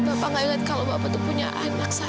bapak gak ingat kalau bapak itu punya anak saya